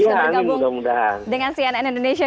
sudah bergabung dengan cnn indonesia